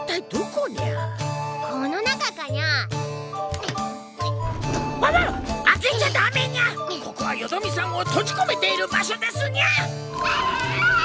ここはよどみさんを閉じこめている場所ですにゃ。